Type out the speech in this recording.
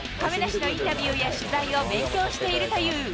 亀梨のインタビューや取材を勉強しているという。